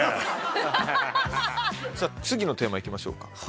さあ次のテーマいきましょうか。